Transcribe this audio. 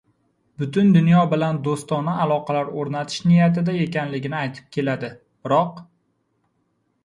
butun dunyo bilan do‘stona aloqalar o‘rnatish niyatida ekanligini aytib keladi. Biroq...